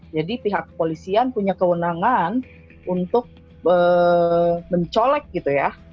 jadi pihak kepolisian punya kewenangan untuk mencolek gitu ya